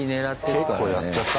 結構やっちゃった？